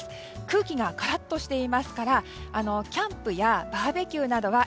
空気がカラッとしていますからキャンプやバーベキューなどは